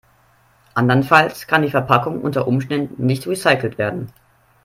Andernfalls kann die Verpackung unter Umständen nicht recycelt werden.